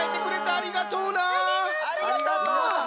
ありがとう！